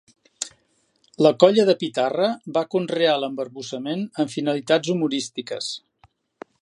La colla de Pitarra va conrear l'embarbussament amb finalitats humorístiques.